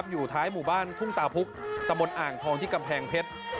อยู่ท้ายหมู่บ้านทุ่งตาพุกตะบนอ่างทองที่กำแพงเพชร